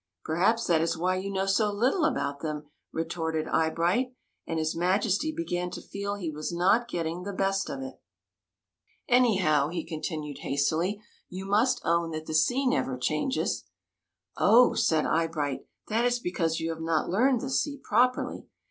" Perhaps that is why you know so little about them," retorted Eyebright; and his Maj esty began to feel he was not getting the best of it. THE MAGICIAN'S TEA PARTY 31 " Anyhow/' he continued hastily, '' you must own that the sea never changes." "Oh!" said Eyebright; "that is because you have not learned the sea properly.